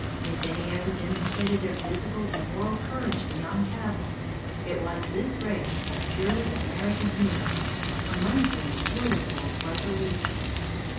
If any ever demonstrated their physical and moral courage beyond cavil, it was this race of purely American heroes, among whom Little Wolf was a leader.